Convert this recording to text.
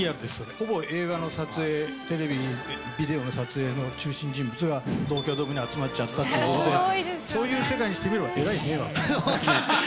ほぼ映画の撮影、テレビ、ビデオの撮影の中心人物が東京ドームに集まっちゃったということで、そういう世界にしてみたらえらい迷惑。